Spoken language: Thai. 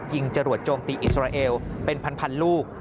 จรวดโจมตีอิสราเอลเป็นพันลูก